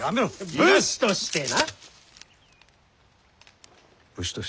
武士としてな。